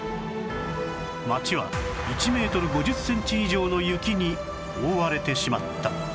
街は１メートル５０センチ以上の雪に覆われてしまった